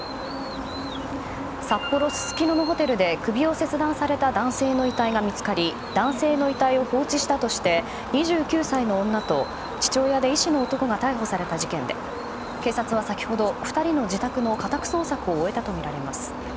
札幌・すすきのホテルで首が切断された男性の遺体が見つかり男性の遺体を放置したとして２９歳の女と父親で医師の男が逮捕された事件で、警察は先ほど２人の自宅の家宅捜索を終えたとみられます。